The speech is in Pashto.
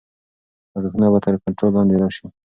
لګښتونه به تر کنټرول لاندې راشي.